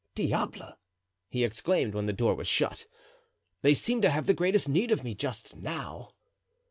"Diable!" he exclaimed when the door was shut, "they seem to have the greatest need of me just now."